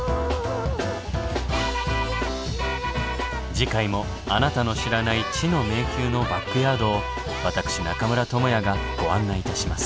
次回もあなたの知らない知の迷宮のバックヤードを私中村倫也がご案内いたします。